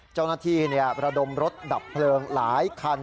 เจ้าหน้าที่ระดมรถดับเพลิงหลายคัน